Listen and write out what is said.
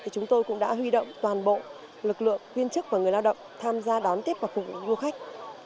chúng tôi cũng đã huy động toàn bộ lực lượng viên chức và người lao động tham gia đón tiếp và phục vụ du khách